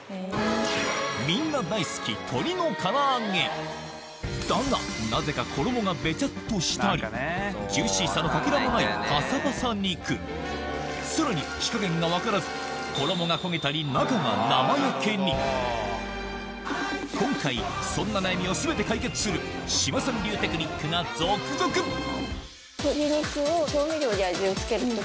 みんな大好きだがなぜか衣がベチャっとしたりジューシーさのかけらもないパサパサ肉さらに火加減が分からず衣が焦げたり中が生焼けに今回そんな悩みを全て解決する志麻さん流テクニックが続々！へ！